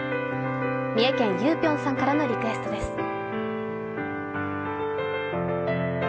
三重県ゆーぴょんさんからのリクエストです。